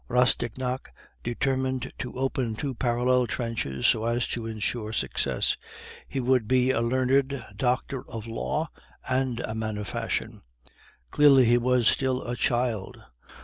Rastignac determined to open two parallel trenches so as to insure success; he would be a learned doctor of law and a man of fashion. Clearly he was still a child!